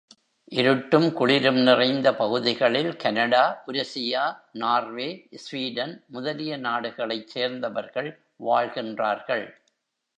இருட்டும் குளிரும் நிறைந்த பகுதிகளில் கனடா, உருசியா, நார்வே, ஸ்வீடன் முதலிய நாடுகளைச் சேர்ந்தவர்கள் வாழ்கின்றார்கள்.